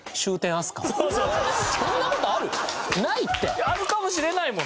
いやあるかもしれないもの。